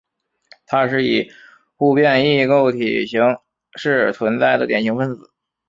它是以互变异构体形式存在的典型分子。